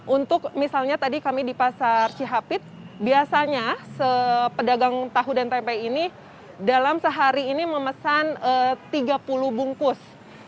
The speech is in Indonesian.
untuk misalnya tadi kami di pasar cihapit biasanya pedagang tahu dan tempe ini dalam sehari ini memesan tiga puluh bungkus